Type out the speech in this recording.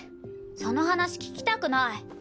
その話聞きたくない。